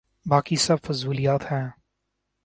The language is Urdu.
باقی سب فضولیات ہیں۔